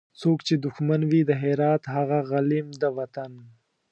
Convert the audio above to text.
څوک چي دښمن وي د هرات هغه غلیم د وطن